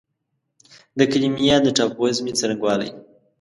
د کریمیا د ټاپووزمې څرنګوالی